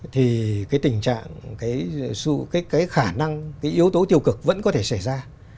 thì cái tình trạng cái khả năng cái yếu tố tiêu cực vẫn có thể xảy ra